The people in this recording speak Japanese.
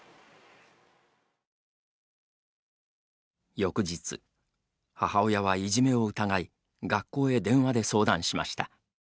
翌日、母親はいじめを疑い学校へ電話で相談しました。